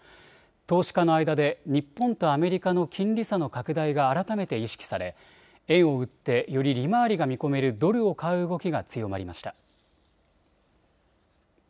投資家の間で日本とアメリカの金利差の拡大が改めて意識され円を売ってより利回りが見込めるドルを買う動きが強まりました。